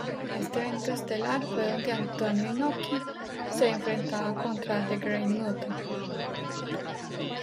Este evento estelar fue donde Antonio Inoki se enfrentaba contra The Great Muta.